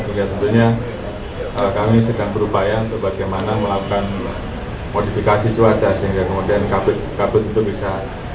jadi tentunya kami sedang berupaya untuk bagaimana melakukan modifikasi cuaca sehingga kemudian kabut itu bisa